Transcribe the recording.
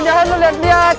jangan lu lihat lihat